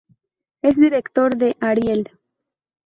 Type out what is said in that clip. Es director de "Ariel.